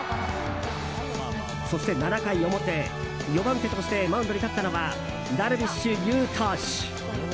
そして７回表、４番手としてマウンドに立ったのはダルビッシュ有投手。